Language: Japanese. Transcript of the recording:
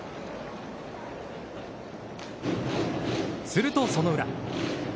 すると、その裏。